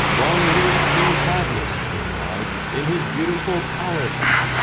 "Long live King Cadmus," they cried, "in his beautiful palace."